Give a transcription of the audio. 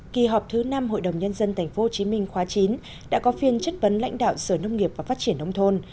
kỳ họp thứ năm hội đồng nhân dân tp hcm khóa chín đã có phiên chất vấn lãnh đạo sở nông nghiệp và phát triển nông thôn